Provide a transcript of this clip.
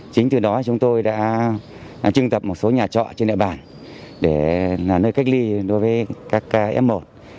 chính từ đó chúng tôi đã trưng tập một số nhà trọ trên địa bàn để là nơi cách ly đối với các f một